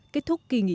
kết thúc kỳ nghỉ